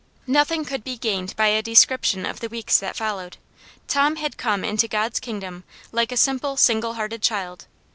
Nothing could be gained by a description of the weeks that followed. Tom had come into God's kingdom like a simple, single hearted child.